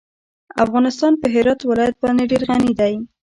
افغانستان په هرات ولایت باندې ډېر غني دی.